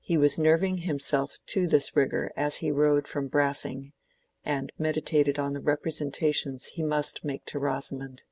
He was nerving himself to this rigor as he rode from Brassing, and meditated on the representations he must make to Rosamond.